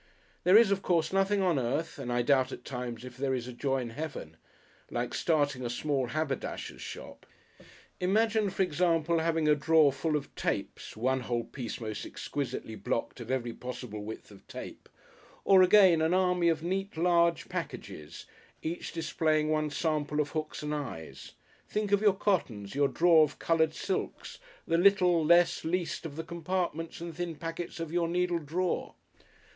There is, of course, nothing on earth, and I doubt at times if there is a joy in Heaven, like starting a small haberdasher's shop. Imagine, for example, having a drawerful of tapes (one whole piece most exquisitely blocked of every possible width of tape), or, again, an army of neat, large packages, each displaying one sample of hooks and eyes. Think of your cottons, your drawer of coloured silks, the little, less, least of the compartments and thin packets of your needle drawer!